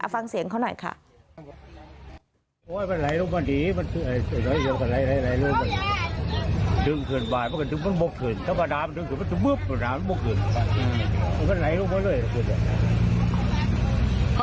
ฟังเสียงเขาหน่อยค่ะ